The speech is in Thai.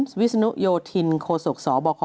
วิศนุโยธินโคศกสบค